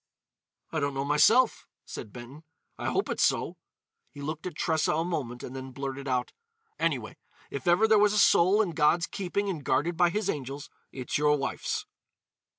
"I don't know myself," said Benton. "I hope it's so." He looked at Tressa a moment and then blurted out: "Anyway, if ever there was a soul in God's keeping and guarded by His angels, it's your wife's!"